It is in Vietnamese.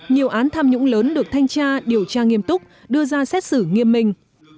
nhiều án tham nhũng lớn được thanh tra điều tra nghiêm túc đưa ra xét xử nghiêm minh